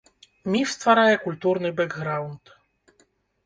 Міф стварае культурны бэкграўнд.